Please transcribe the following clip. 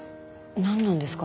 何なんですか？